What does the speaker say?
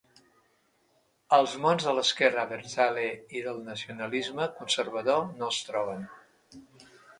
Els mons de l’esquerra abertzale i del nacionalisme conservador no es troben.